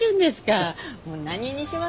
もう何にします？